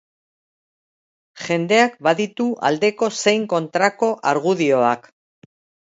Jendeak baditu aldeko zein kontrako argudioak.